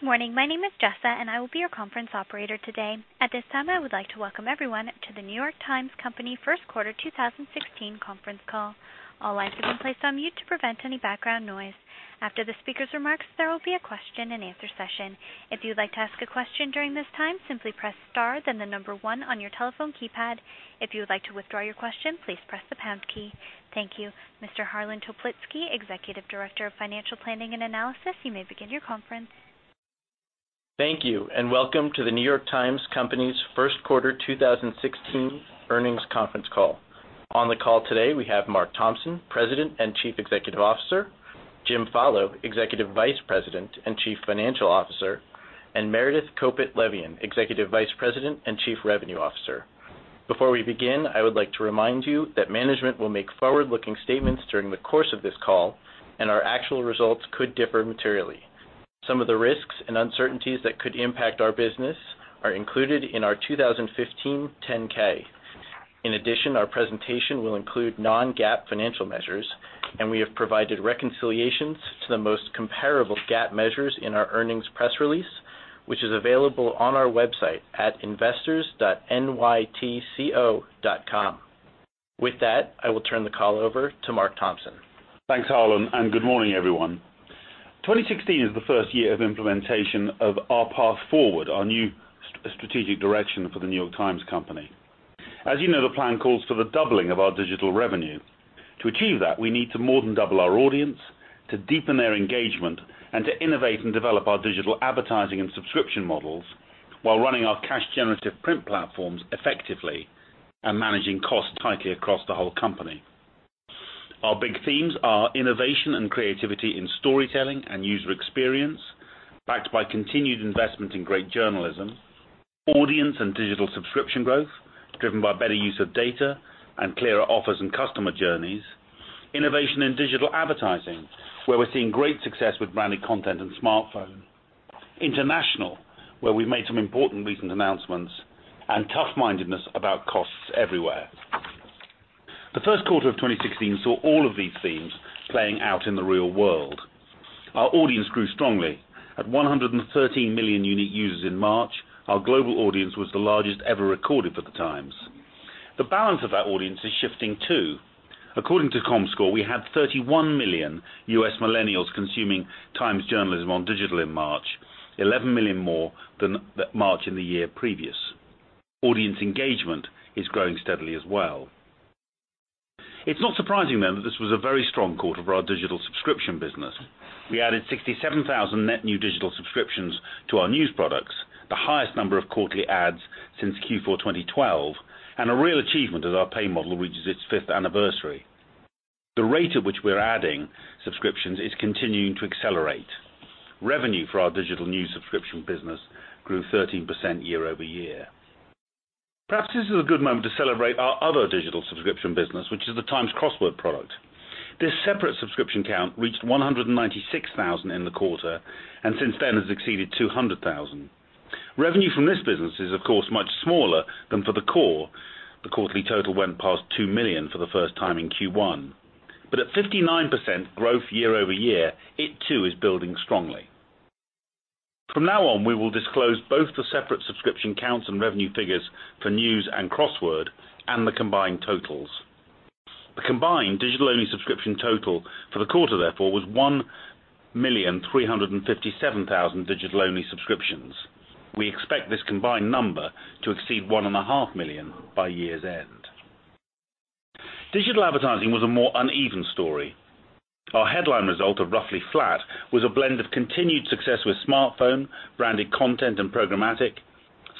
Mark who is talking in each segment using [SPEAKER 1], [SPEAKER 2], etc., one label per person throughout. [SPEAKER 1] Good morning. My name is Jessa, and I will be your conference operator today. At this time, I would like to welcome everyone to The New York Times Company First Quarter 2016 Conference Call. All lines have been placed on mute to prevent any background noise. After the speaker's remarks, there will be a question and answer session. If you'd like to ask a question during this time, simply press star, then the number one on your telephone keypad. If you would like to withdraw your question, please press the pound key. Thank you. Mr. Harlan Toplitzky, Executive Director of Financial Planning and Analysis, you may begin your conference.
[SPEAKER 2] Thank you, and welcome to The New York Times Company's first quarter 2016 earnings conference call. On the call today, we have Mark Thompson, President and Chief Executive Officer, Jim Follo, Executive Vice President and Chief Financial Officer, and Meredith Kopit Levien, Executive Vice President and Chief Revenue Officer. Before we begin, I would like to remind you that management will make forward-looking statements during the course of this call, and our actual results could differ materially. Some of the risks and uncertainties that could impact our business are included in our 2015 10-K. In addition, our presentation will include non-GAAP financial measures, and we have provided reconciliations to the most comparable GAAP measures in our earnings press release, which is available on our website at investors.nytco.com. With that, I will turn the call over to Mark Thompson.
[SPEAKER 3] Thanks, Harlan, and good morning, everyone. 2016 is the first year of implementation of Our Path Forward, our new strategic direction for The New York Times Company. As you know, the plan calls for the doubling of our digital revenue. To achieve that, we need to more than double our audience, to deepen their engagement, and to innovate and develop our digital advertising and subscription models while running our cash-generative print platforms effectively and managing costs tightly across the whole company. Our big themes are innovation and creativity in storytelling and user experience, backed by continued investment in great journalism, audience and digital subscription growth driven by better use of data and clearer offers and customer journeys, innovation in digital advertising, where we're seeing great success with branded content and smartphone, international, where we've made some important recent announcements, and tough-mindedness about costs everywhere. The first quarter of 2016 saw all of these themes playing out in the real world. Our audience grew strongly. At 113 million unique users in March, our global audience was the largest ever recorded for The Times. The balance of that audience is shifting, too. According to Comscore, we had 31 million U.S. millennials consuming Times journalism on digital in March, 11 million more than March in the year previous. Audience engagement is growing steadily as well. It's not surprising, then, that this was a very strong quarter for our digital subscription business. We added 67,000 net new digital subscriptions to our news products, the highest number of quarterly adds since Q4 2012, and a real achievement as our pay model reaches its fifth anniversary. The rate at which we're adding subscriptions is continuing to accelerate. Revenue for our digital news subscription business grew 13% year-over-year. Perhaps this is a good moment to celebrate our other digital subscription business, which is the Times Crossword product. This separate subscription count reached 196,000 in the quarter, and since then has exceeded 200,000. Revenue from this business is, of course, much smaller than for the core. The quarterly total went past $2 million for the first time in Q1. At 59% growth year-over-year, it too is building strongly. From now on, we will disclose both the separate subscription counts and revenue figures for news and Crossword and the combined totals. The combined digital-only subscription total for the quarter, therefore, was 1,357,000 digital-only subscriptions. We expect this combined number to exceed 1.5 million by year's end. Digital advertising was a more uneven story. Our headline result of roughly flat was a blend of continued success with smartphone, branded content, and programmatic.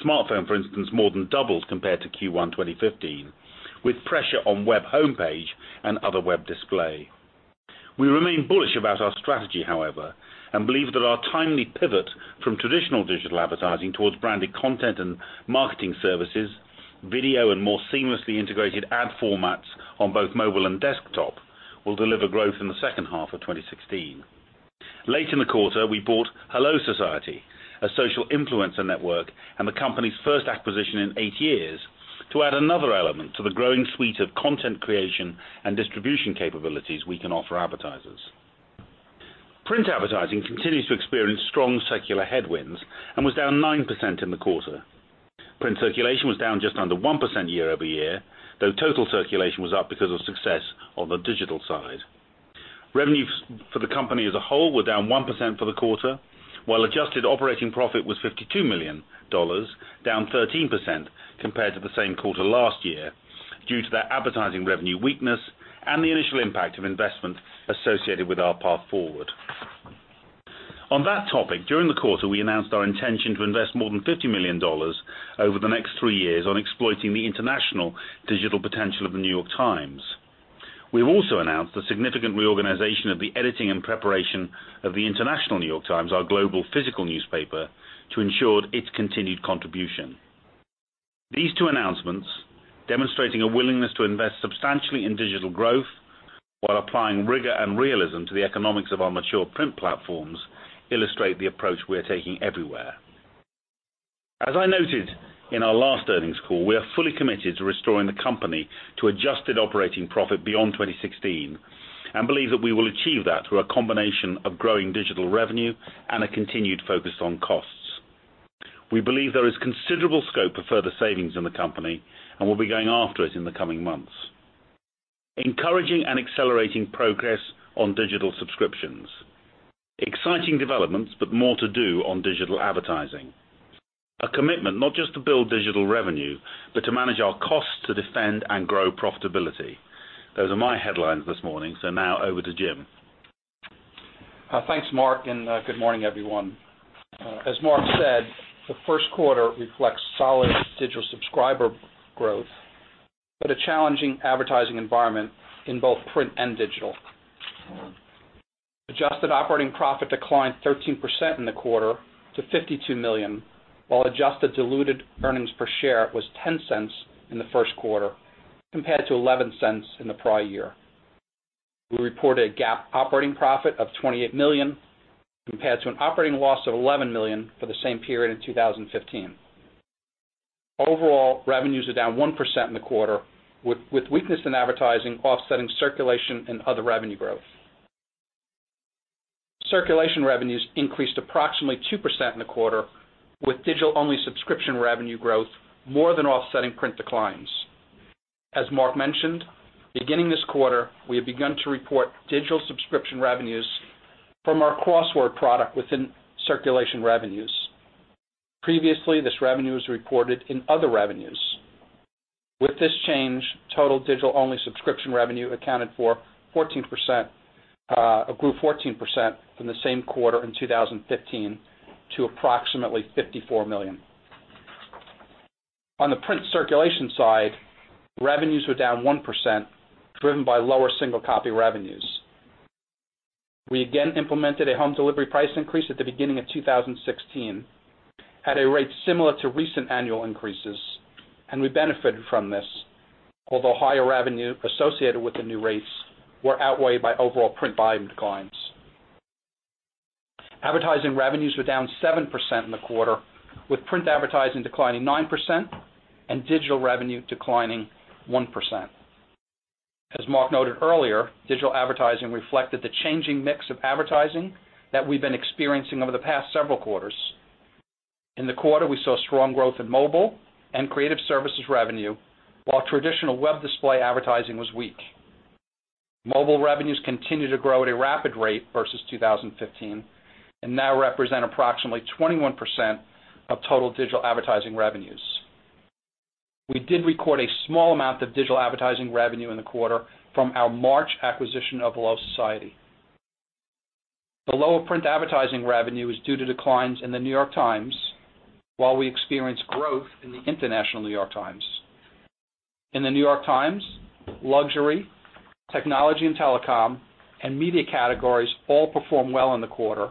[SPEAKER 3] Smartphone, for instance, more than doubled compared to Q1 2015, with pressure on web homepage and other web display. We remain bullish about our strategy, however, and believe that our timely pivot from traditional digital advertising towards branded content and marketing services, video, and more seamlessly integrated ad formats on both mobile and desktop will deliver growth in the second half of 2016. Late in the quarter, we bought HelloSociety, a social influencer network, and the company's first acquisition in eight years, to add another element to the growing suite of content creation and distribution capabilities we can offer advertisers. Print advertising continues to experience strong secular headwinds and was down 9% in the quarter. Print circulation was down just under 1% year-over-year, though total circulation was up because of success on the digital side. Revenues for the company as a whole were down 1% for the quarter, while adjusted operating profit was $52 million, down 13% compared to the same quarter last year due to that advertising revenue weakness and the initial impact of investment associated with Our Path Forward. On that topic, during the quarter, we announced our intention to invest more than $50 million over the next three years on exploiting the international digital potential of The New York Times. We have also announced a significant reorganization of the editing and preparation of the International New York Times, our global physical newspaper, to ensure its continued contribution. These two announcements, demonstrating a willingness to invest substantially in digital growth while applying rigor and realism to the economics of our mature print platforms, illustrate the approach we are taking everywhere. As I noted in our last earnings call, we are fully committed to restoring the company to adjusted operating profit beyond 2016 and believe that we will achieve that through a combination of growing digital revenue and a continued focus on costs. We believe there is considerable scope for further savings in the company, and we'll be going after it in the coming months. Encouraging and accelerating progress on digital subscriptions. Exciting developments, but more to do on digital advertising. A commitment not just to build digital revenue, but to manage our costs to defend and grow profitability. Those are my headlines this morning. Now over to Jim.
[SPEAKER 4] Thanks, Mark, and good morning, everyone. As Mark said, the first quarter reflects solid digital subscriber growth, but a challenging advertising environment in both print and digital. Adjusted operating profit declined 13% in the quarter to $52 million, while adjusted diluted earnings per share was $0.10 in the first quarter, compared to $0.11 in the prior year. We reported a GAAP operating profit of $28 million, compared to an operating loss of $11 million for the same period in 2015. Overall, revenues are down 1% in the quarter, with weakness in advertising offsetting circulation and other revenue growth. Circulation revenues increased approximately 2% in the quarter, with digital-only subscription revenue growth more than offsetting print declines. As Mark mentioned, beginning this quarter, we have begun to report digital subscription revenues from our Crossword product within circulation revenues. Previously, this revenue was reported in other revenues. With this change, total digital-only subscription revenue accounted for 14%, grew 14% from the same quarter in 2015 to approximately $54 million. On the print circulation side, revenues were down 1%, driven by lower single copy revenues. We again implemented a home delivery price increase at the beginning of 2016 at a rate similar to recent annual increases, and we benefited from this, although higher revenue associated with the new rates were outweighed by overall print volume declines. Advertising revenues were down 7% in the quarter, with print advertising declining 9% and digital revenue declining 1%. As Mark noted earlier, digital advertising reflected the changing mix of advertising that we've been experiencing over the past several quarters. In the quarter, we saw strong growth in mobile and creative services revenue, while traditional web display advertising was weak. Mobile revenues continue to grow at a rapid rate versus 2015 and now represent approximately 21% of total digital advertising revenues. We did record a small amount of digital advertising revenue in the quarter from our March acquisition of HelloSociety. The lower print advertising revenue is due to declines in The New York Times, while we experienced growth in the International New York Times. In The New York Times, luxury, technology and telecom, and media categories all performed well in the quarter,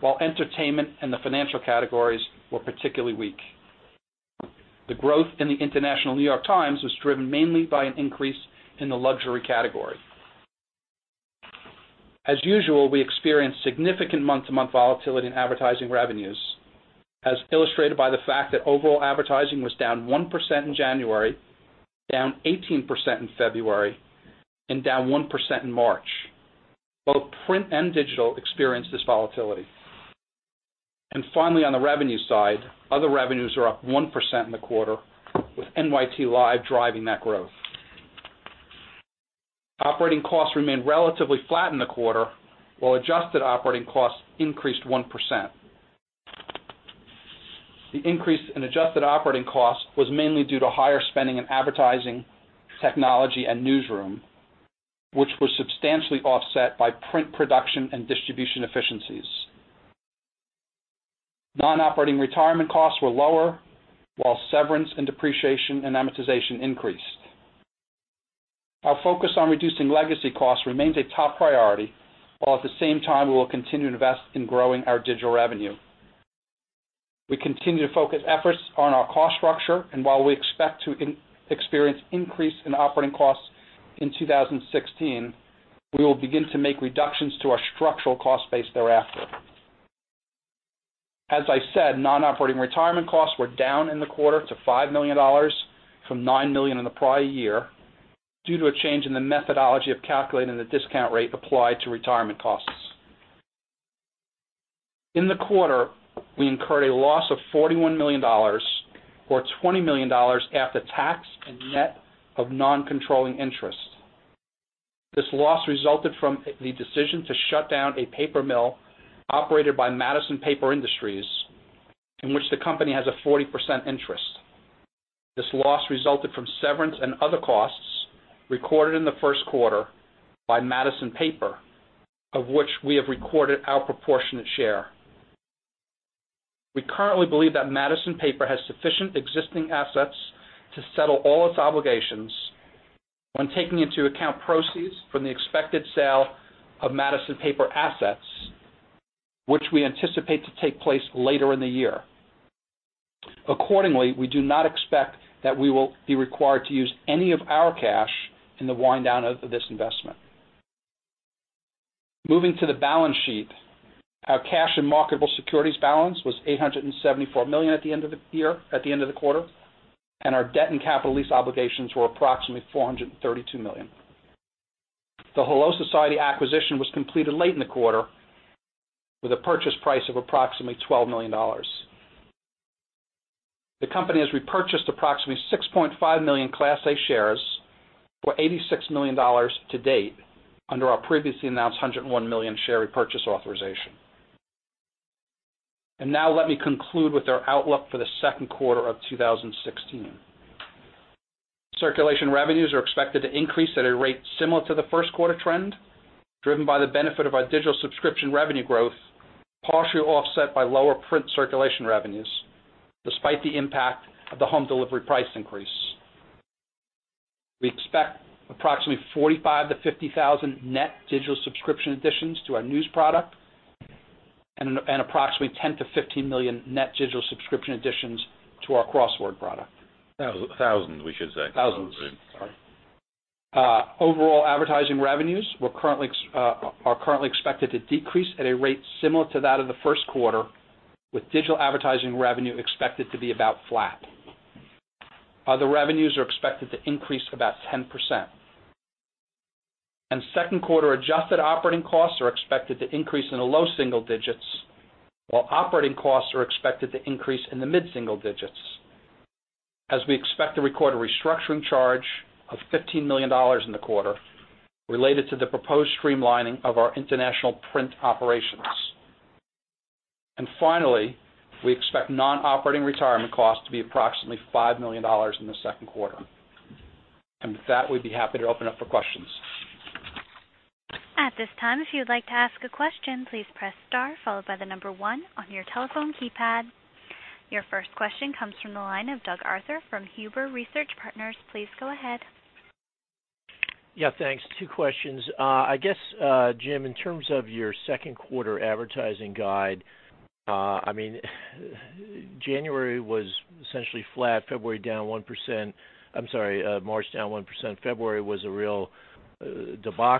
[SPEAKER 4] while entertainment and the financial categories were particularly weak. The growth in the International New York Times was driven mainly by an increase in the luxury category. As usual, we experienced significant month-to-month volatility in advertising revenues, as illustrated by the fact that overall advertising was down 1% in January, down 18% in February, and down 1% in March. Both print and digital experienced this volatility. Finally, on the revenue side, other revenues are up 1% in the quarter, with NYT Live driving that growth. Operating costs remained relatively flat in the quarter, while adjusted operating costs increased 1%. The increase in adjusted operating costs was mainly due to higher spending in advertising, technology, and newsroom, which was substantially offset by print production and distribution efficiencies. Non-operating retirement costs were lower, while severance and depreciation and amortization increased. Our focus on reducing legacy costs remains a top priority, while at the same time, we will continue to invest in growing our digital revenue. We continue to focus efforts on our cost structure, and while we expect to experience an increase in operating costs in 2016, we will begin to make reductions to our structural cost base thereafter. As I said, non-operating retirement costs were down in the quarter to $5 million from $9 million in the prior year due to a change in the methodology of calculating the discount rate applied to retirement costs. In the quarter, we incurred a loss of $41 million or $20 million after tax and net of non-controlling interest. This loss resulted from the decision to shut down a paper mill operated by Madison Paper Industries, in which the company has a 40% interest. This loss resulted from severance and other costs recorded in the first quarter by Madison Paper, of which we have recorded our proportionate share. We currently believe that Madison Paper has sufficient existing assets to settle all its obligations when taking into account proceeds from the expected sale of Madison Paper assets, which we anticipate to take place later in the year. Accordingly, we do not expect that we will be required to use any of our cash in the wind down of this investment. Moving to the balance sheet, our cash and marketable securities balance was $874 million at the end of the quarter, and our debt and capital lease obligations were approximately $432 million. The HelloSociety acquisition was completed late in the quarter with a purchase price of approximately $12 million. The company has repurchased approximately 6.5 million Class A shares for $86 million to date under our previously announced $101 million share repurchase authorization. Now let me conclude with our outlook for the second quarter of 2016. Circulation revenues are expected to increase at a rate similar to the first quarter trend, driven by the benefit of our digital subscription revenue growth, partially offset by lower print circulation revenues, despite the impact of the home delivery price increase. We expect approximately 45,000-50,000 net digital subscription additions to our news product and approximately 10 million-15 million net digital subscription additions to our Crossword product.
[SPEAKER 3] Thousands, we should say. Thousands.
[SPEAKER 4] Sorry. Overall advertising revenues are currently expected to decrease at a rate similar to that of the first quarter, with digital advertising revenue expected to be about flat. Other revenues are expected to increase about 10%. Second quarter adjusted operating costs are expected to increase in the low single digits, while operating costs are expected to increase in the mid-single digits, as we expect to record a restructuring charge of $15 million in the quarter related to the proposed streamlining of our international print operations. Finally, we expect non-operating retirement costs to be approximately $5 million in the second quarter. With that, we'd be happy to open up for questions.
[SPEAKER 1] At this time, if you'd like to ask a question, please press star followed by the number one on your telephone keypad. Your first question comes from the line of Doug Arthur from Huber Research Partners. Please go ahead.
[SPEAKER 5] Yeah, thanks. Two questions. Jim, in terms of your second quarter advertising guide, January was essentially flat, March down 1%, February was a real debacle.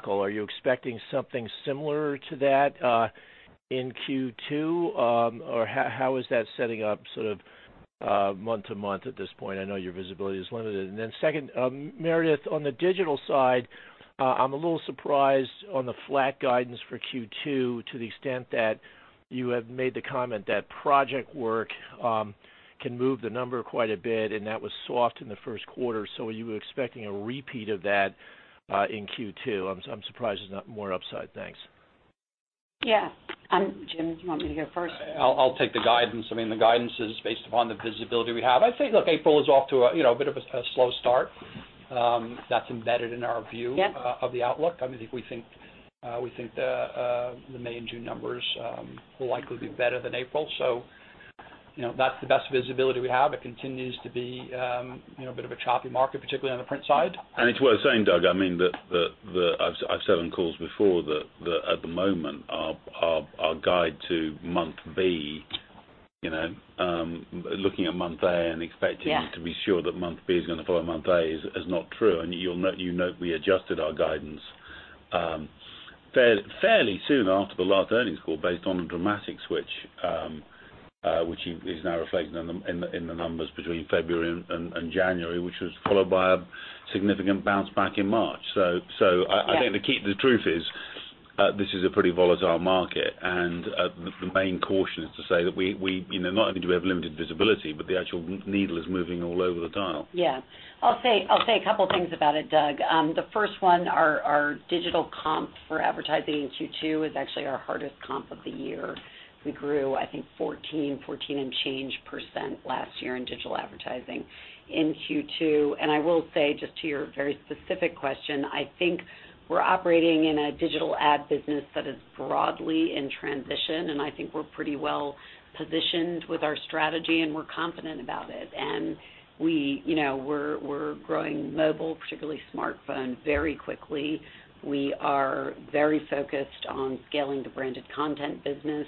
[SPEAKER 5] Are you expecting something similar to that in Q2? Or how is that setting up sort of month-to-month at this point? I know your visibility is limited. Then second, Meredith, on the digital side, I'm a little surprised on the flat guidance for Q2 to the extent that you have made the comment that project work can move the number quite a bit, and that was soft in the first quarter. Are you expecting a repeat of that in Q2? I'm surprised there's not more upside. Thanks.
[SPEAKER 6] Yeah. Jim, do you want me to go first?
[SPEAKER 4] I'll take the guidance. The guidance is based upon the visibility we have. I'd say, look, April is off to a bit of a slow start. That's embedded in our view...
[SPEAKER 6] Yeah
[SPEAKER 4] ....of the outlook. We think the May and June numbers will likely be better than April. That's the best visibility we have. It continues to be a bit of a choppy market, particularly on the print side.
[SPEAKER 3] It's worth saying, Doug, I've said on calls before that at the moment, our guide to month B, looking at month A and expecting to be sure that month B is going to follow month A is not true. You note we adjusted our guidance fairly soon after the last earnings call based on the dramatic switch, which is now reflected in the numbers between February and January, which was followed by a significant bounce back in March.
[SPEAKER 6] Yeah.
[SPEAKER 3] I think the truth is, this is a pretty volatile market, and the main caution is to say that not only do we have limited visibility, but the actual needle is moving all over the dial.
[SPEAKER 6] Yeah. I'll say a couple things about it, Doug. The first one, our digital comp for advertising in Q2 is actually our hardest comp of the year. We grew, I think, 14% and change last year in digital advertising in Q2. I will say, just to your very specific question, I think we're operating in a digital ad business that is broadly in transition, and I think we're pretty well positioned with our strategy, and we're confident about it. We're growing mobile, particularly smartphone, very quickly. We are very focused on scaling the branded content business,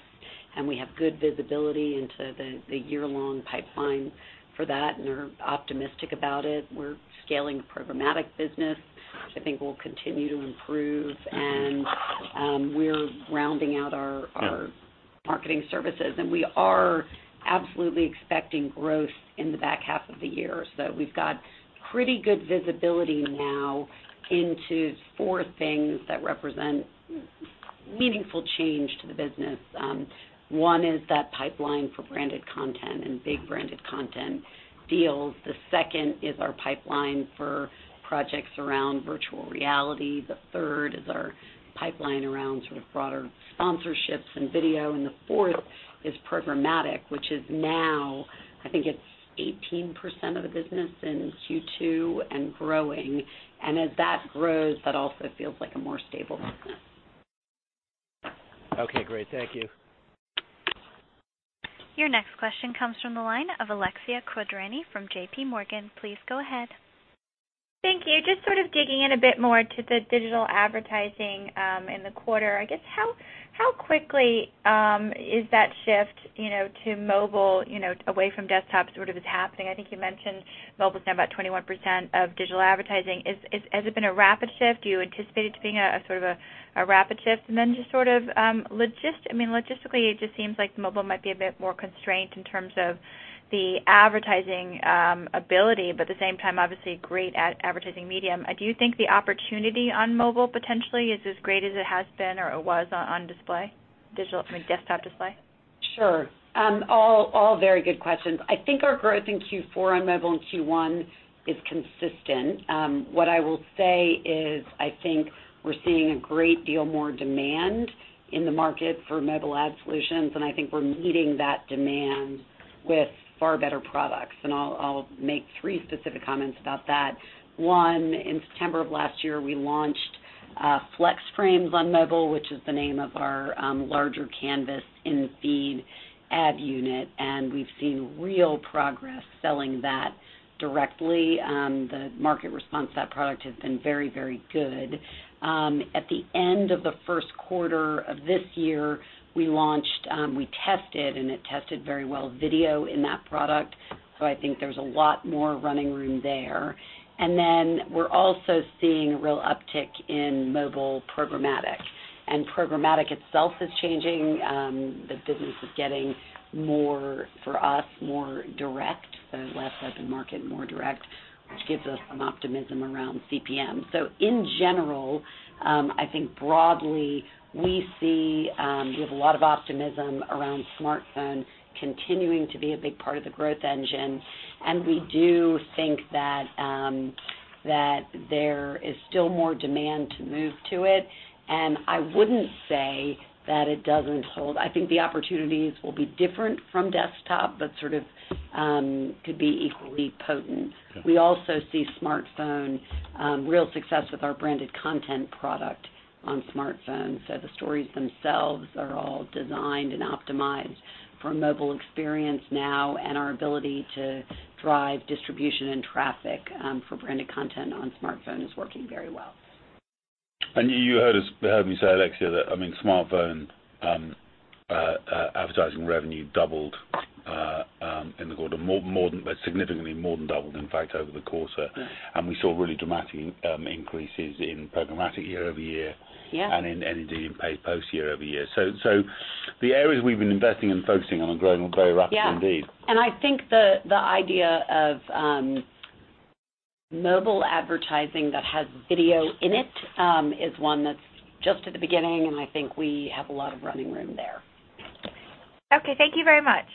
[SPEAKER 6] and we have good visibility into the year-long pipeline for that, and are optimistic about it. We're scaling programmatic business, which I think will continue to improve, and we're rounding out our marketing services. We are absolutely expecting growth in the back half of the year. We've got pretty good visibility now into four things that represent meaningful change to the business. One is that pipeline for branded content and big branded content deals. The second is our pipeline for projects around virtual reality. The third is our pipeline around sort of broader sponsorships and video. The fourth is programmatic, which is now 18% of the business in Q2 and growing. As that grows, that also feels like a more stable business.
[SPEAKER 5] Okay, great. Thank you.
[SPEAKER 1] Your next question comes from the line of Alexia Quadrani from JPMorgan. Please go ahead.
[SPEAKER 7] Thank you. Just sort of digging in a bit more to the digital advertising in the quarter, I guess. How quickly is that shift to mobile, away from desktop sort of is happening? I think you mentioned mobile is now about 21% of digital advertising. Has it been a rapid shift? Do you anticipate it to being a sort of a rapid shift? Just sort of, logistically, it just seems like mobile might be a bit more constrained in terms of the advertising ability, but at the same time, obviously a great advertising medium. Do you think the opportunity on mobile potentially is as great as it has been or it was on display, digital, I mean, desktop display?
[SPEAKER 6] Sure. All very good questions. I think our growth in Q4 on mobile and Q1 is consistent. What I will say is, I think we're seeing a great deal more demand in the market for mobile ad solutions, and I think we're meeting that demand with far better products. I'll make three specific comments about that. One, in September of last year, we launched Flex Frames on mobile, which is the name of our larger canvas in-feed ad unit, and we've seen real progress selling that directly. The market response to that product has been very good. At the end of the first quarter of this year, we launched, we tested, and it tested very well, video in that product. I think there's a lot more running room there. Then we're also seeing a real uptick in mobile programmatic. Programmatic itself is changing. The business is getting, for us, more direct, so less open market, more direct, which gives us some optimism around CPM. In general, I think broadly, we have a lot of optimism around smartphone continuing to be a big part of the growth engine, and we do think that there is still more demand to move to it, and I wouldn't say that it doesn't hold. I think the opportunities will be different from desktop, but sort of could be equally potent.
[SPEAKER 3] Yeah.
[SPEAKER 6] We also see smartphone, real success with our branded content product on smartphone. The stories themselves are all designed and optimized for mobile experience now, and our ability to drive distribution and traffic for branded content on smartphone is working very well.
[SPEAKER 3] You heard me say, Alexia, that smartphone advertising revenue doubled in the quarter, significantly more than doubled in fact over the quarter.
[SPEAKER 6] Yes.
[SPEAKER 3] We saw really dramatic increases in programmatic year-over-year.
[SPEAKER 6] Yeah
[SPEAKER 3] Indeed in Paid Post year-over-year. The areas we've been investing and focusing on are growing very rapidly indeed.
[SPEAKER 6] Yeah. I think the idea of mobile advertising that has video in it is one that's just at the beginning, and I think we have a lot of running room there.
[SPEAKER 7] Okay. Thank you very much.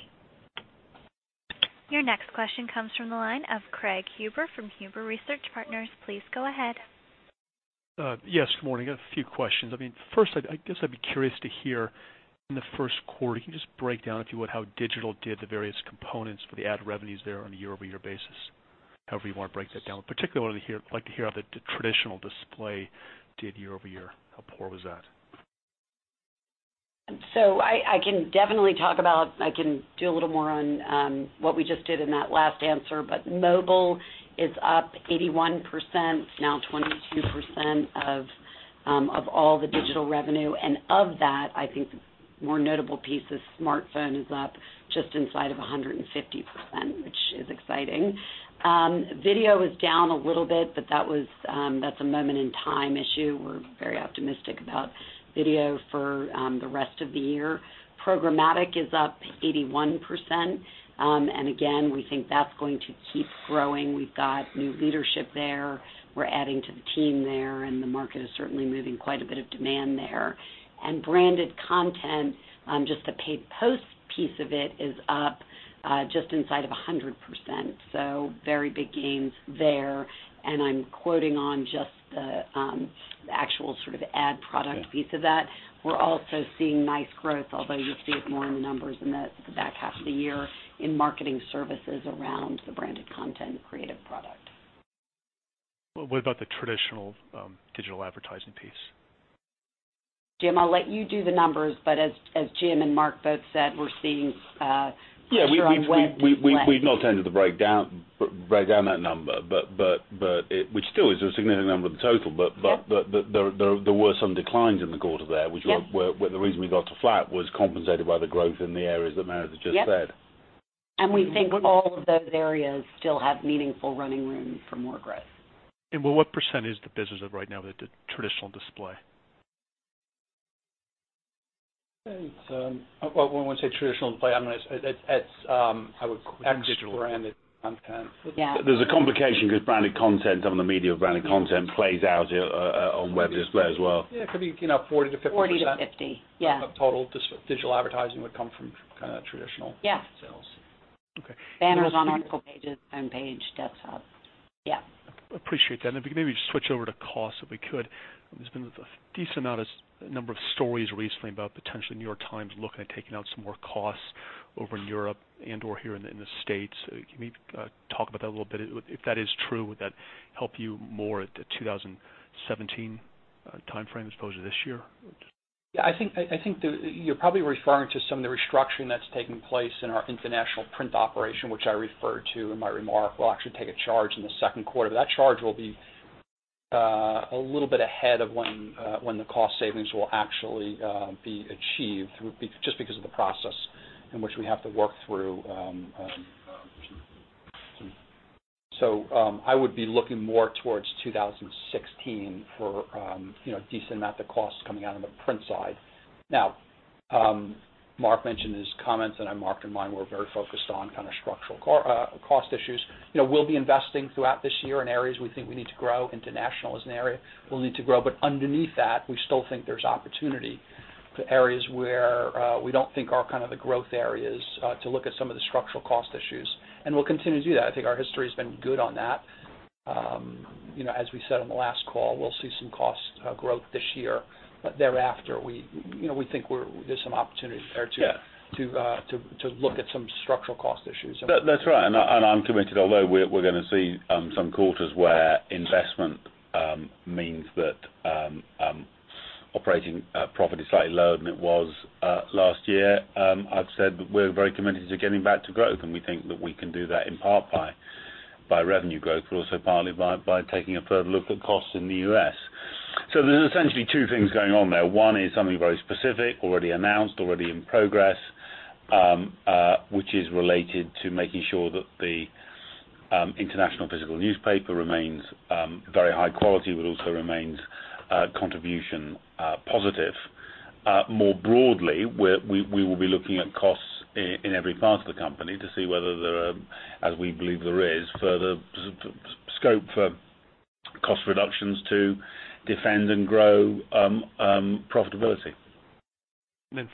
[SPEAKER 1] Your next question comes from the line of Craig Huber from Huber Research Partners. Please go ahead.
[SPEAKER 8] Yes, good morning. A few questions. First, I guess I'd be curious to hear in the first quarter, can you just break down, if you would, how digital did, the various components for the ad revenues there on a year-over-year basis? However you want to break that down. Would particularly like to hear how the traditional display did year-over-year. How poor was that?
[SPEAKER 6] I can definitely talk about. I can do a little more on what we just did in that last answer, but mobile is up 81%, now 22% of all the digital revenue. Of that, I think the more notable piece is smartphone is up just inside of 150%, which is exciting. Video was down a little bit, but that's a moment in time issue. We're very optimistic about video for the rest of the year. Programmatic is up 81%. Again, we think that's going to keep growing. We've got new leadership there. We're adding to the team there, and the market is certainly moving quite a bit of demand there. Branded content, just the Paid Post piece of it is up just inside of 100%. Very big gains there. I'm quoting on just the actual sort of ad product piece of that. We're also seeing nice growth, although you'll see it more in the numbers in the back half of the year in marketing services around the branded content creative product.
[SPEAKER 8] What about the traditional digital advertising piece?
[SPEAKER 6] Jim, I'll let you do the numbers, but as Jim and Mark both said, we're seeing pressure on web length.
[SPEAKER 3] Yeah, we've not tended to break down that number, which still is a significant number of the total.
[SPEAKER 6] Yeah
[SPEAKER 3] There were some declines in the quarter there, which were...
[SPEAKER 6] Yeah
[SPEAKER 3] ....the reason we got to flat was compensated by the growth in the areas that Meredith just said.
[SPEAKER 6] Yep. We think all of those areas still have meaningful running room for more growth.
[SPEAKER 8] What percent is the business of right now, the traditional display?
[SPEAKER 4] Well, when we say traditional display, I would call it branded content.
[SPEAKER 6] Yeah.
[SPEAKER 3] There's a complication because branded content, some of the media branded content plays out on web display as well.
[SPEAKER 4] Yeah, it could be 40%-50%.
[SPEAKER 6] 40%-50%, yeah.
[SPEAKER 4] Total digital advertising would come from kind of traditional....
[SPEAKER 6] Yeah
[SPEAKER 4] ...sales.
[SPEAKER 8] Okay.
[SPEAKER 6] Banners on article pages and on desktop. Yeah.
[SPEAKER 8] Appreciate that. If we could maybe just switch over to costs, if we could. There's been a decent number of stories recently about potentially New York Times looking at taking out some more costs over in Europe and/or here in the States. Can you talk about that a little bit? If that is true, would that help you more at the 2017 timeframe as opposed to this year?
[SPEAKER 4] Yeah, I think you're probably referring to some of the restructuring that's taking place in our international print operation, which I referred to in my remark. We'll actually take a charge in the second quarter, but that charge will be a little bit ahead of when the cost savings will actually be achieved, just because of the process in which we have to work through. I would be looking more towards 2016 for a decent amount of costs coming out on the print side. Now, Mark mentioned in his comments, and Mark and I were very focused on structural cost issues. We'll be investing throughout this year in areas we think we need to grow. International is an area we'll need to grow, but underneath that, we still think there's opportunity for areas where we don't think are the growth areas to look at some of the structural cost issues, and we'll continue to do that. I think our history has been good on that. As we said on the last call, we'll see some cost growth this year, but thereafter, we think there's some opportunity there to look at some structural cost issues.
[SPEAKER 3] That's right. I'm committed, although we're going to see some quarters where investment means that operating profit is slightly lower than it was last year. I've said we're very committed to getting back to growth, and we think that we can do that in part by revenue growth, but also partly by taking a further look at costs in the U.S. There's essentially two things going on there. One is something very specific, already announced, already in progress, which is related to making sure that the international physical newspaper remains very high quality, but also remains contribution positive. More broadly, we will be looking at costs in every part of the company to see whether there are, as we believe there is, further scope for cost reductions to defend and grow profitability.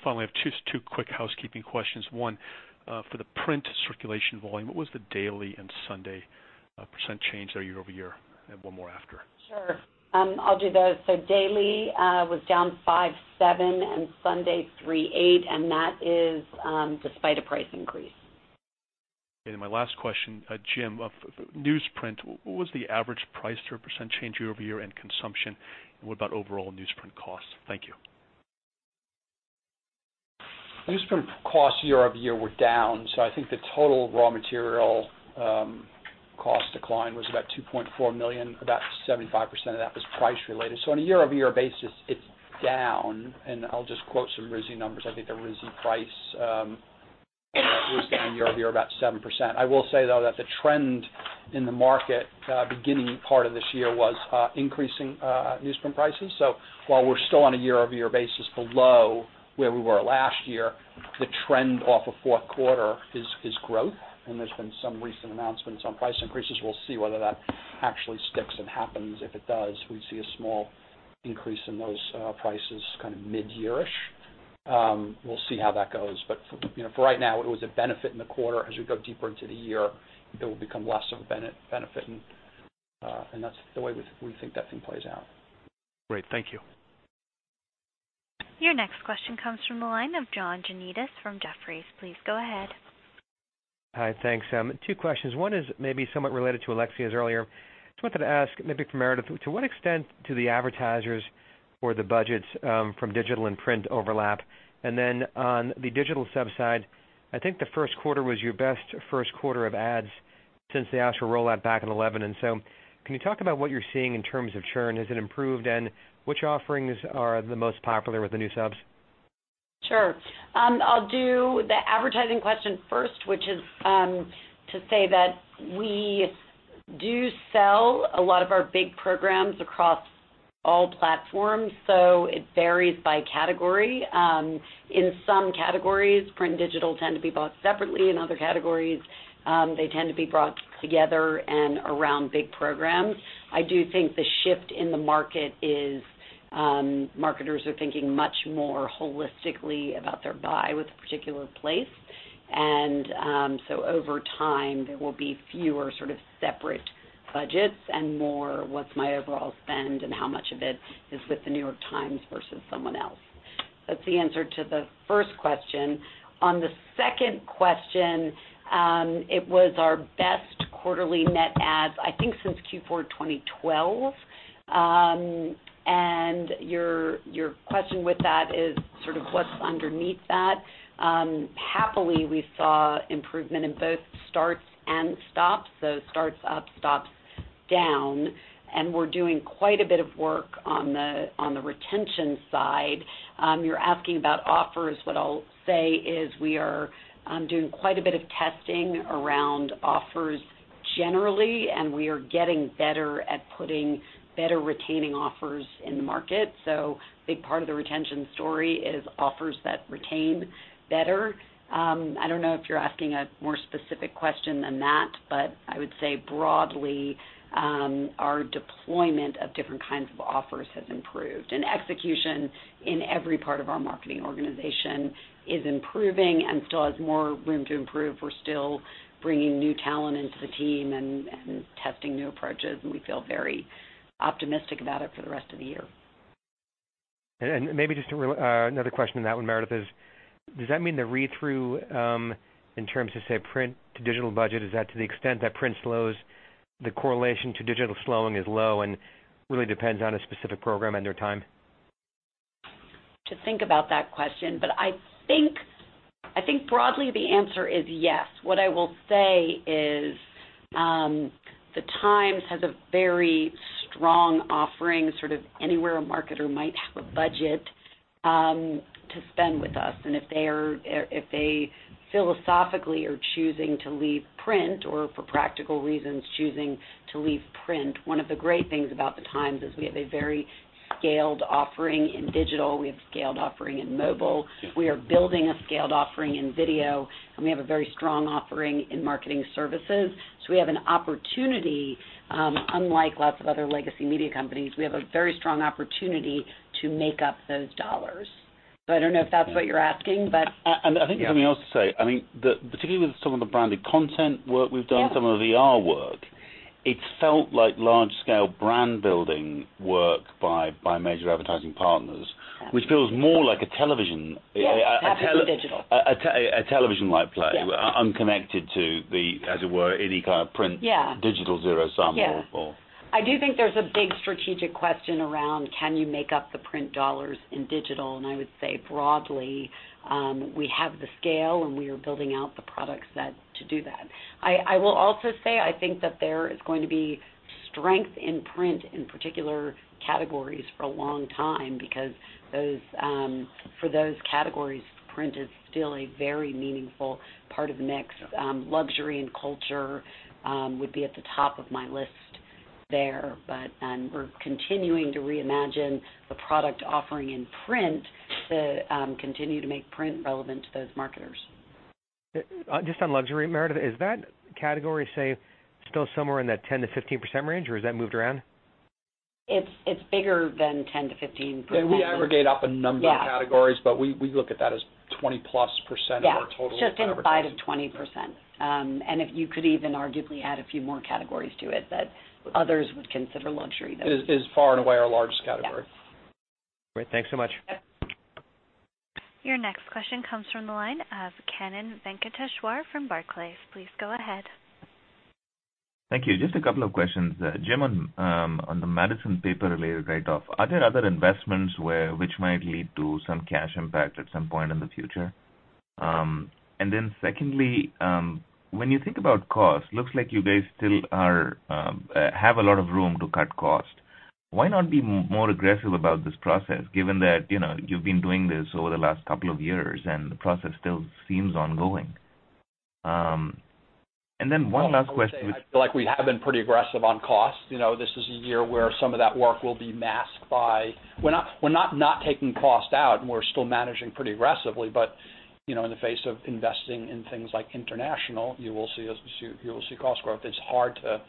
[SPEAKER 8] Finally, I have two quick housekeeping questions. One for the print circulation volume, what was the daily and Sunday percent change there year-over-year? I have one more after.
[SPEAKER 4] Sure. I'll do those. Daily was down 5.7% and Sunday 3.8%, and that is despite a price increase.
[SPEAKER 8] My last question, Jim, newsprint, what was the average price or percent change year-over-year in consumption? What about overall newsprint costs? Thank you.
[SPEAKER 4] Newsprint costs year-over-year were down. I think the total raw material cost decline was about $2.4 million. About 75% of that was price related. On a year-over-year basis, it's down, and I'll just quote some RISI numbers. I think the RISI price was down year-over-year about 7%. I will say, though, that the trend in the market beginning part of this year was increasing newsprint prices. While we're still on a year-over-year basis below where we were last year, the trend off of fourth quarter is growth. There's been some recent announcements on price increases. We'll see whether that actually sticks and happens. If it does, we'd see a small increase in those prices midyear-ish. We'll see how that goes. For right now, it was a benefit in the quarter. As we go deeper into the year, it will become less of a benefit, and that's the way we think that thing plays out.
[SPEAKER 8] Great. Thank you.
[SPEAKER 1] Your next question comes from the line of John Janedis from Jefferies. Please go ahead.
[SPEAKER 9] Hi. Thanks. Two questions. One is maybe somewhat related to Alexia's earlier. Just wanted to ask maybe for Meredith, to what extent do the advertisers or the budgets from digital and print overlap? Then on the digital side, I think the first quarter was your best first quarter of ads since the paywall rollout back in 2011. Can you talk about what you're seeing in terms of churn? Has it improved, and which offerings are the most popular with the new subs?
[SPEAKER 6] Sure. I'll do the advertising question first, which is to say that we do sell a lot of our big programs across all platforms, so it varies by category. In some categories, print and digital tend to be bought separately. In other categories, they tend to be brought together and around big programs. I do think the shift in the market is marketers are thinking much more holistically about their buy with a particular place. Over time, there will be fewer separate budgets and more what's my overall spend and how much of it is with "The New York Times" versus someone else. That's the answer to the first question. On the second question, it was our best quarterly net adds, I think, since Q4 2012. Your question with that is what's underneath that? Happily, we saw improvement in both starts and stops, so starts up, stops down, and we're doing quite a bit of work on the retention side. You're asking about offers. What I'll say is we are doing quite a bit of testing around offers generally, and we are getting better at putting better retaining offers in the market. A big part of the retention story is offers that retain better. I don't know if you're asking a more specific question than that, but I would say broadly, our deployment of different kinds of offers has improved, and execution in every part of our marketing organization is improving and still has more room to improve. We're still bringing new talent into the team and testing new approaches, and we feel very optimistic about it for the rest of the year.
[SPEAKER 9] Maybe just another question on that one, Meredith, is does that mean the read-through in terms of, say, print to digital budget, is that to the extent that print slows the correlation to digital slowing is low and really depends on a specific program and their time?
[SPEAKER 6] To think about that question, but I think broadly the answer is yes. What I will say is The Times has a very strong offering sort of anywhere a marketer might have a budget to spend with us. If they philosophically are choosing to leave print or for practical reasons choosing to leave print, one of the great things about The Times is we have a very scaled offering in digital. We have a scaled offering in mobile. We are building a scaled offering in video, and we have a very strong offering in marketing services. We have an opportunity, unlike lots of other legacy media companies, we have a very strong opportunity to make up those dollars. I don't know if that's what you're asking.
[SPEAKER 3] I think there's something else to say. I think that particularly with some of the branded content work we've done....
[SPEAKER 6] Yeah
[SPEAKER 3] ....some of the VR work, it felt like large-scale brand building work by major advertising partners, which feels more like a television.
[SPEAKER 6] Yes. Happening in digital.
[SPEAKER 3] A television-like play.
[SPEAKER 6] Yeah.
[SPEAKER 3] Unconnected to the, as it were, any kind of print...
[SPEAKER 6] Yeah
[SPEAKER 3] ....digital zero sum or
[SPEAKER 6] Yeah. I do think there's a big strategic question around can you make up the print dollars in digital? I would say broadly, we have the scale, and we are building out the products to do that. I will also say, I think that there is going to be strength in print in particular categories for a long time because for those categories, print is still a very meaningful part of the mix. Luxury and culture would be at the top of my list there. We're continuing to reimagine the product offering in print to continue to make print relevant to those marketers.
[SPEAKER 9] Just on luxury, Meredith, is that category, say, still somewhere in that 10%-15% range, or has that moved around?
[SPEAKER 6] It's bigger than 10%-15%.
[SPEAKER 3] Yeah, we aggregate up a number of categories.
[SPEAKER 6] Yeah
[SPEAKER 3] We look at that as 20%+ of our total advertising.
[SPEAKER 6] Yeah. Just inside of 20%. If you could even arguably add a few more categories to it that others would consider luxury that
[SPEAKER 3] It is far and away our largest category.
[SPEAKER 6] Yes.
[SPEAKER 9] Great. Thanks so much.
[SPEAKER 6] Yeah.
[SPEAKER 1] Your next question comes from the line of Kannan Venkateshwar from Barclays. Please go ahead.
[SPEAKER 10] Thank you. Just a couple of questions. Jim, on the Madison Paper-related write-off, are there other investments which might lead to some cash impact at some point in the future? Then secondly, when you think about cost, looks like you guys still have a lot of room to cut cost. Why not be more aggressive about this process given that you've been doing this over the last couple of years, and the process still seems ongoing? Then one last question-
[SPEAKER 4] I would say I feel like we have been pretty aggressive on cost. This is a year where some of that work will be masked by. We're not taking cost out, and we're still managing pretty aggressively, but in the face of investing in things like international, you will see cost growth. It's hard to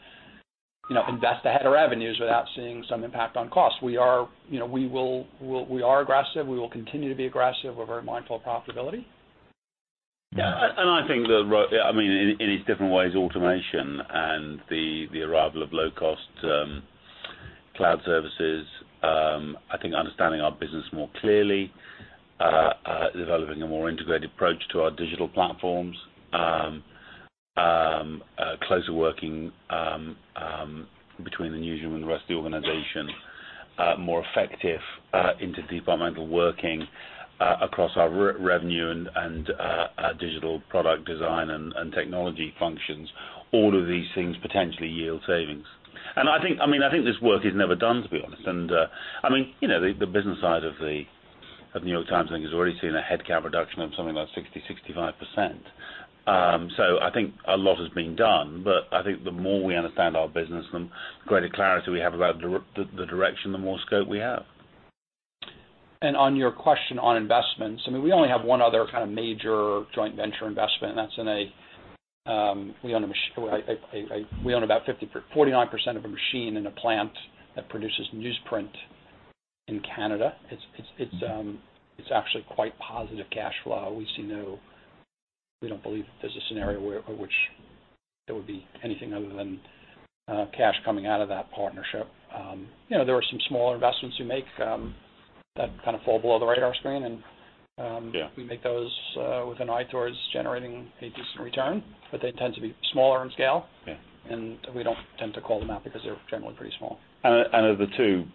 [SPEAKER 4] invest ahead of revenues without seeing some impact on cost. We are aggressive. We will continue to be aggressive. We're very mindful of profitability.
[SPEAKER 3] Yeah. I think in its different ways, automation and the arrival of low-cost cloud services, I think understanding our business more clearly, developing a more integrated approach to our digital platforms, closer working between the newsroom and the rest of the organization, more effective interdepartmental working across our revenue and our digital product design and technology functions. All of these things potentially yield savings. I think this work is never done, to be honest. The business side of The New York Times I think has already seen a headcount reduction of something like 60%-65%. I think a lot has been done, but I think the more we understand our business, the greater clarity we have about the direction, the more scope we have.
[SPEAKER 4] On your question on investments, we only have one other kind of major joint venture investment, and that's in a... We own about 49% of a machine in a plant that produces newsprint in Canada. It's actually quite positive cash flow. We don't believe that there's a scenario by which there would be anything other than cash coming out of that partnership. There are some smaller investments we make that kind of fall below the radar screen, and yeah, we make those with an eye towards generating a decent return, but they tend to be smaller in scale.
[SPEAKER 3] Yeah.
[SPEAKER 4] We don't tend to call them out because they're generally pretty small.
[SPEAKER 3] Of the two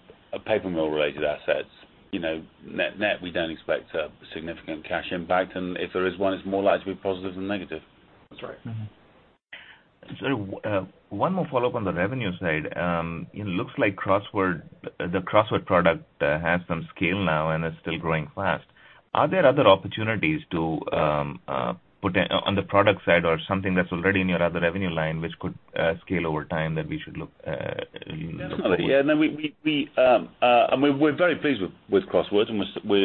[SPEAKER 3] paper mill related assets, net-net, we don't expect a significant cash impact. If there is one, it's more likely to be positive than negative.
[SPEAKER 4] That's right. Mm-hmm.
[SPEAKER 10] One more follow-up on the revenue side. It looks like the Crossword product has some scale now and is still growing fast. Are there other opportunities on the product side or something that's already in your other revenue line which could scale over time that we should look forwards?
[SPEAKER 3] Yeah. No, we're very pleased with Crossword, and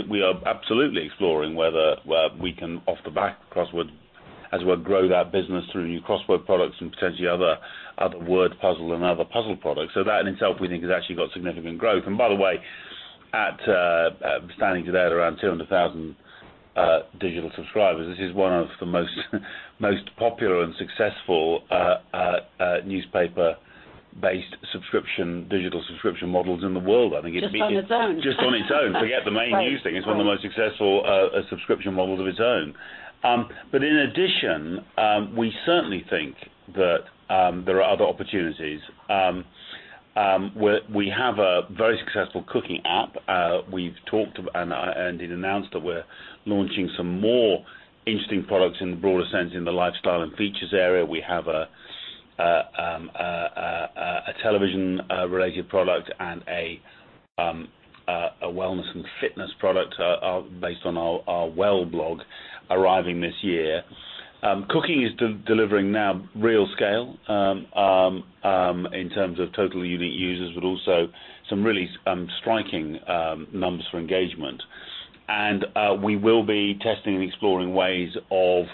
[SPEAKER 3] we are absolutely exploring whether we can off the back of Crossword, as we grow that business through new Crossword products and potentially other word puzzle and other puzzle products. That in itself, we think, has actually got significant growth. By the way, standing today at around 200,000 digital subscribers, this is one of the most popular and successful newspaper-based digital subscription models in the world. I think it's.
[SPEAKER 6] Just on its own.
[SPEAKER 3] Just on its own. Forget the main news thing.
[SPEAKER 6] Right.
[SPEAKER 3] It's one of the most successful subscription models of its own. In addition, we certainly think that there are other opportunities. We have a very successful cooking app. We've talked, and indeed announced, that we're launching some more interesting products in the broader sense in the lifestyle and features area. We have a television-related product and a wellness and fitness product based on our Well blog arriving this year. Cooking is delivering now real scale in terms of total unique users, but also some really striking numbers for engagement. We will be testing and exploring ways of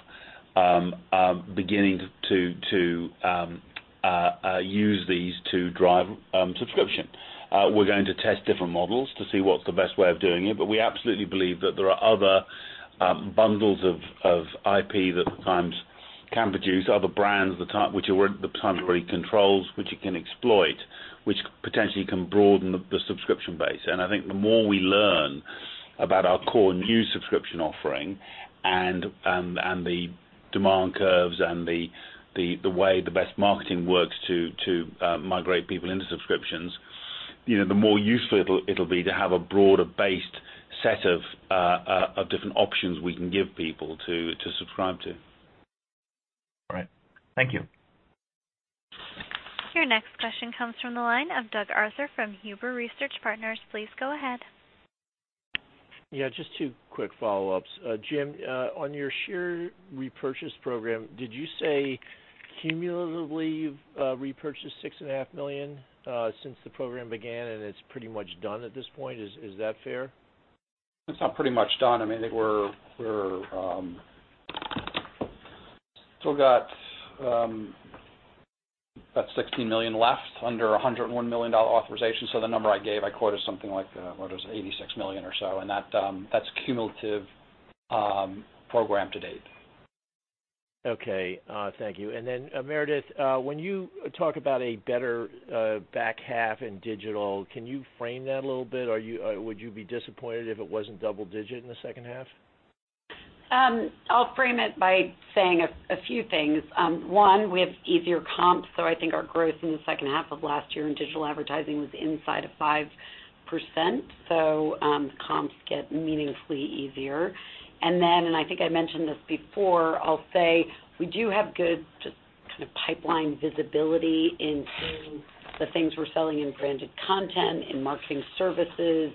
[SPEAKER 3] beginning to use these to drive subscription. We're going to test different models to see what's the best way of doing it, but we absolutely believe that there are other bundles of IP that The Times can produce, other brands which The Times already controls, which it can exploit, which potentially can broaden the subscription base. I think the more we learn about our core new subscription offering and the demand curves and the way the best marketing works to migrate people into subscriptions, the more useful it'll be to have a broader based set of different options we can give people to subscribe to.
[SPEAKER 10] All right. Thank you.
[SPEAKER 1] Your next question comes from the line of Doug Arthur from Huber Research Partners. Please go ahead.
[SPEAKER 5] Yeah, just two quick follow-ups. Jim, on your share repurchase program, did you say cumulatively you've repurchased $6.5 million since the program began, and it's pretty much done at this point? Is that fair?
[SPEAKER 4] It's not pretty much done. I mean, I think we've still got about $16 million left under $101 million authorization. The number I gave, I quoted something like, what was it, $86 million or so, and that's cumulative program to date.
[SPEAKER 5] Okay. Thank you. Meredith, when you talk about a better back half in digital, can you frame that a little bit? Would you be disappointed if it wasn't double digit in the second half?
[SPEAKER 6] I'll frame it by saying a few things. One, we have easier comps, so I think our growth in the second half of last year in digital advertising was inside of 5%. The comps get meaningfully easier. I think I mentioned this before. I'll say we do have good just kind of pipeline visibility in seeing the things we're selling in branded content, in marketing services,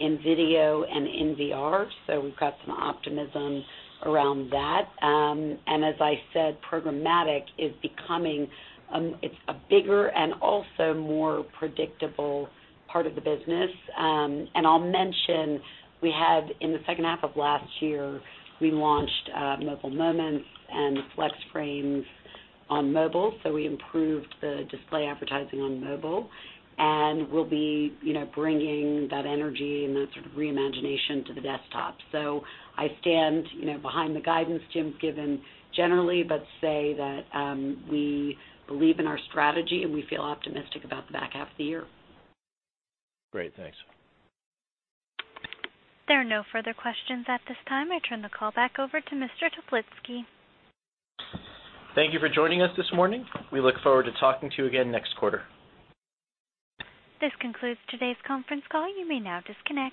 [SPEAKER 6] in video and in VR. We've got some optimism around that. As I said, programmatic is becoming a bigger and also more predictable part of the business. I'll mention, we had in the second half of last year, we launched Mobile Moments and Flex Frames on mobile, so we improved the display advertising on mobile, and we'll be bringing that energy and that sort of re-imagination to the desktop. I stand behind the guidance Jim's given generally, but say that we believe in our strategy and we feel optimistic about the back half of the year.
[SPEAKER 5] Great, thanks.
[SPEAKER 1] There are no further questions at this time. I turn the call back over to Mr. Toplitzky.
[SPEAKER 2] Thank you for joining us this morning. We look forward to talking to you again next quarter.
[SPEAKER 1] This concludes today's conference call. You may now disconnect.